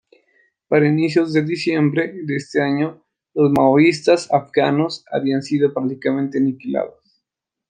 Para inicios de diciembre de ese año, los maoístas afganos habían sido prácticamente aniquilados.